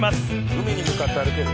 海に向かって歩ける。